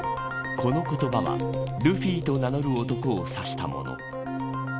この言葉はルフィと名乗る男を指したもの。